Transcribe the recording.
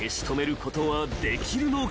ことはできるのか］